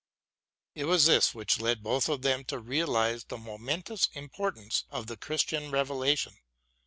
It was this which led both of them to realise the momentous import ance of the Christian Revelation.